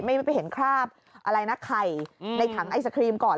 ไม่ไปเห็นคราบอะไรนะไข่ในถังไอศครีมก่อน